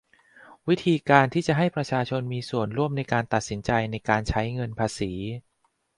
วิธีการที่จะให้ประชาชนมีส่วนร่วมในการตัดสินใจในการใช้เงินภาษี